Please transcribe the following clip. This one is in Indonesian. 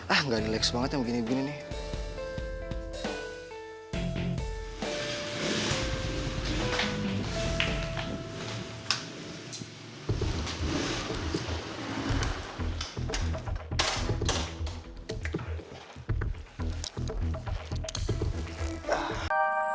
ah gak rileks banget yang begini gini nih